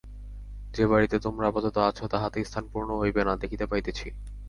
যে বাড়ীতে তোমরা আপাতত আছ, তাহাতে স্থান পূর্ণ হইবে না, দেখিতে পাইতেছি।